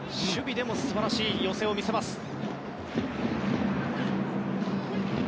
守備でも素晴らしい寄せを見せます。